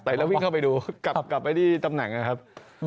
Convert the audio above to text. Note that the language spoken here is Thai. แต่แล้ววิ่งเข้าไปดูกลับไปที่ตำแหน่งนะครับ